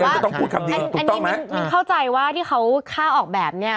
เออไม่ต้องพูดหัวใจถ้าแต่ว่าอันนี้มันเข้าใจว่าที่เขาฆ่าออกแบบเนี่ย